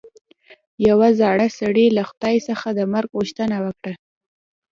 یوه زاړه سړي له خدای څخه د مرګ غوښتنه وکړه.